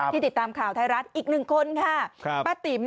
ที่ติดตามข่าวไทยรัฐอีกหนึ่งคนค่ะป้าติ๋ม